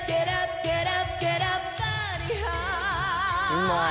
うまい。